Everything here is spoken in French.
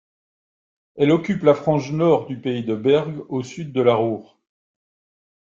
Elle occupe la frange nord du pays de Berg, au sud de la Ruhr.